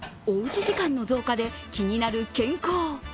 おうち時間の増加で気になる健康。